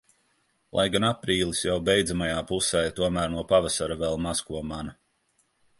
Lai gan aprīlis jau beidzamajā pusē, tomēr no pavasara vēl maz ko mana.